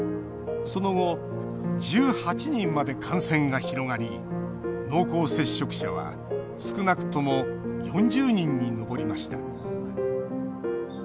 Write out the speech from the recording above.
その後、１８人まで感染が広がり濃厚接触者は少なくとも４０人に上りました。